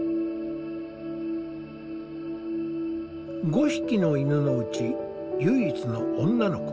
５匹の犬のうち唯一の女の子ナナ。